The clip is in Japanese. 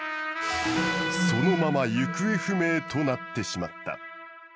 そのまま行方不明となってしまった。